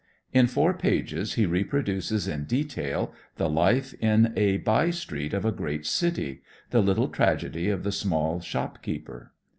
In four pages he reproduces in detail the life in a by street of a great city, the little tragedy of the small shopkeeper.